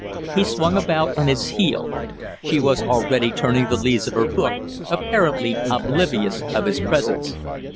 He swung about on his heel. She was already turning the leaves of her book, apparently oblivious of his presence.